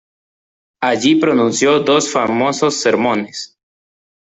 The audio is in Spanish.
Allí pronunció dos famosos sermones.